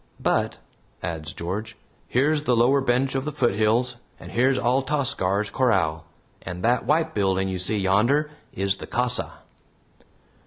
But," adds George, "here's the lower bench of the foothills, and here's Altascar's corral, and that White building you see yonder is the casa."